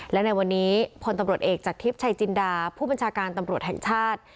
และในวันนี้พลตำรวจเอกจากทิพย์ชัยจินดาผู้บัญชาการตำรวจแห่งชาติ